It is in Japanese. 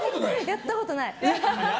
やったことない。